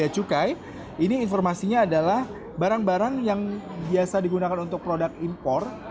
nah untuk bdn ini informasinya adalah barang barang yang biasa digunakan untuk produk impor